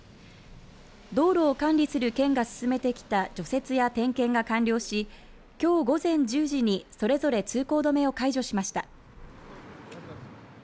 道路を管理する県が進めてきた除雪や点検が完了しきょう午前１０時にそれぞれ通行止めを解除しました。